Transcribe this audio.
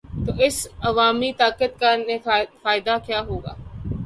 تو اس عوامی طاقت کا انہیں فائدہ کیا ہو گا؟